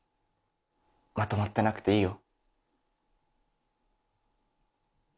まとまってなくていいよ。